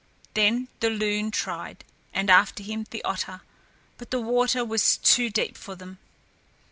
Then the loon tried, and after him the otter, but the water was too deep for them.